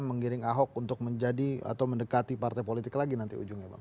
mengiring ahok untuk menjadi atau mendekati partai politik lagi nanti ujungnya bang